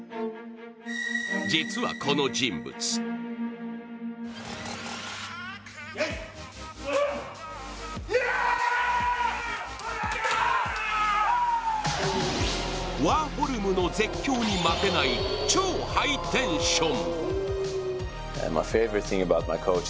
実はこの人物ワーホルムの絶叫に負けない超ハイテンション。